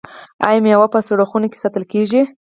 آیا میوه په سړو خونو کې ساتل کیږي؟